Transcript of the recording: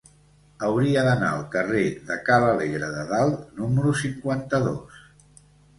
Hauria d'anar al carrer de Ca l'Alegre de Dalt número cinquanta-dos.